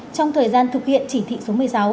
trong thời gian thực hiện chỉ thị số một mươi sáu